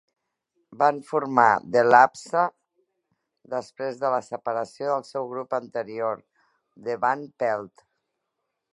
Van formar The Lapse després de la separació del seu grup anterior, The Van Pelt.